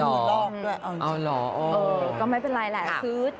ตอนนี้แบบเวลาเขาไม่กลับบ้าน๓วันอย่างเงี้ย